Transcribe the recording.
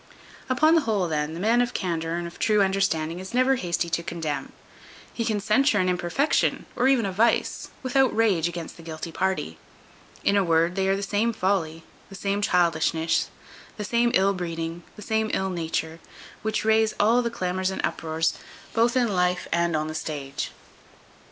Upon the whole, then, the man of candour and of true understanding is never hasty to condemn. He can censure an imperfection, or even a vice, without rage against the guilty party. In a word, they are the same folly, the same childishness, the same ill breeding, and the same ill nature, which raise all the clamours and uproars both in life and on the stage.